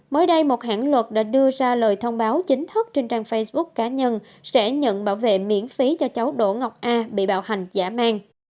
mới đây một hãng luật đã đưa ra lời thông báo chính thức trên trang facebook cá nhân sẽ nhận bảo vệ miễn phí cho cháu đỗ ngọc a bị bạo hành giả mang